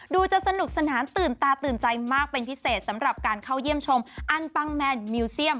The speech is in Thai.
จะสนุกสนานตื่นตาตื่นใจมากเป็นพิเศษสำหรับการเข้าเยี่ยมชมอันปังแมนมิวเซียม